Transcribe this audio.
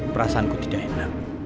perasaanku tidak enak